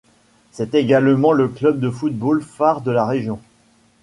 C'est également le club de football phare de la région.